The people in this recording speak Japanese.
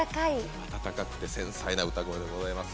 温かくて繊細な歌声でございます。